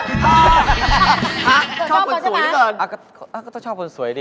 เธอชอบคนสวยใช่ไหมก็ต้องชอบคนสวยดิ